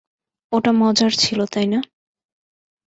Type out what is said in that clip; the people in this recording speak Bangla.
ওটা মজার ছিল, তাই না?